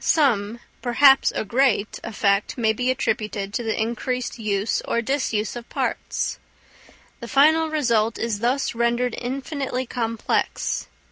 Some, perhaps a great, effect may be attributed to the increased use or disuse of parts. The final result is thus rendered infinitely complex.